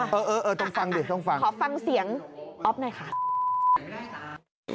เออเออต้องฟังดิต้องฟังขอฟังเสียงอ๊อฟหน่อยค่ะ